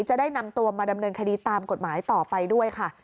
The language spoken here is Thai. จะได้นำตัวมาดำเนินคดีตามกฎหมายต่อไปด้วยค่ะ